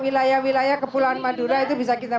wilayah wilayah kepulauan madura itu bisa kita